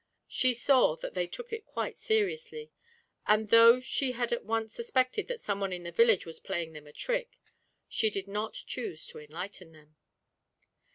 She saw that they took it quite seriously; and, though she had at once suspected that some one in the village was playing them a trick, she did not choose to enlighten them.